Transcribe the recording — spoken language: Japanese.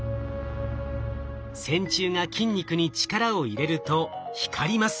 線虫が筋肉に力を入れると光ります。